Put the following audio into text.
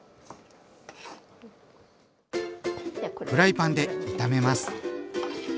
フライパンで炒めます。